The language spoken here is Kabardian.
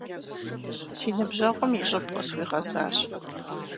Си ныбжьэгъум и щӏыб къысхуигъэзащ.